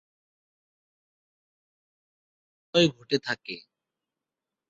তবে এর কিছু ব্যত্যয় ঘটে থাকে।